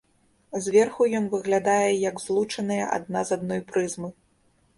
Зверху ён выглядае як злучаныя адна з адной прызмы.